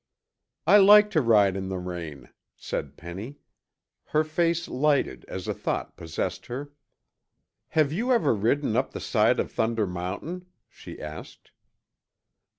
"I like to ride in the rain," said Penny. Her face lighted as a thought possessed her. "Have you ever ridden up the side of Thunder Mountain?" she asked.